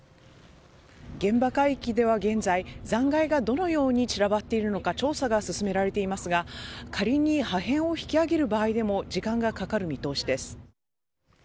現場海域では現在残骸がどのように散らばっているのか調査が進められていますが仮に破片を引き上げる場合でも時間がかかる見通しです。